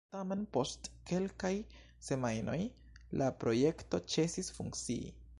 Tamen, post kelkaj semajnoj, la projekto ĉesis funkcii.